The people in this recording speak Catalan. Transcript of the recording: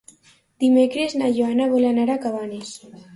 Dimecres na Joana vol anar a Cabanes.